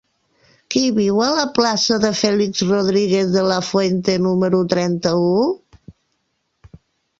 Qui viu a la plaça de Félix Rodríguez de la Fuente número trenta-u?